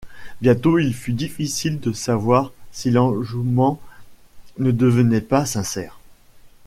Bientôt, il fut difficile de savoir si l'enjouement ne devenait pas sincère.